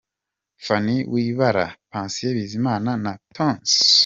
Phanny Wibabara, Patient Bizimana na Tonzi.